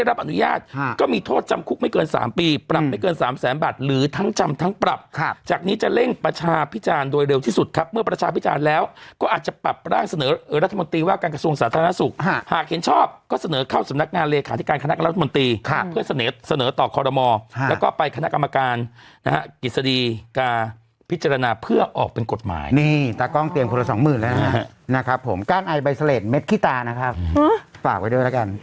แล้วถ้าสมมุติปลูกเองสูบเองก็จับหน่อยอืมนะฮะค่ะก็